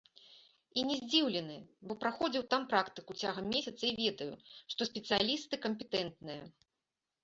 І не здзіўлены, бо праходзіў там практыку цягам месяца і ведаю, што спецыялісты кампетэнтныя.